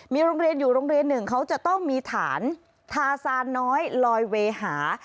มีโรงเรียนอยู่โรงเรียนหนึ่งเขาจะต้องมีฐานทาซานน้อยลอยเวหา